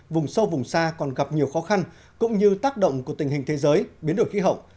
vùng sâu vùng xa còn gặp nhiều khó khăn cũng như tác động của tình hình thế giới biến đổi khí hậu